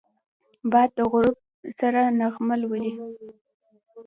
باد د غروب سره نغمه لولي